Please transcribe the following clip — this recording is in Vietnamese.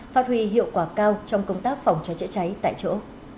phát huy hiệu quả cao trong công tác phòng cháy chữa cháy tại chỗ